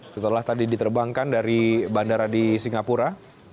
setelah tadi diterbangkan dari bandara di singapura